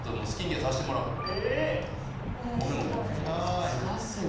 さすがっすね。